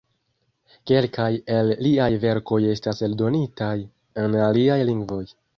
Kelkaj el liaj verkoj estas eldonitaj en aliaj lingvoj.